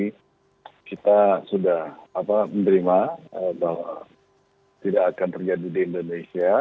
jadi kita sudah menerima bahwa tidak akan terjadi di indonesia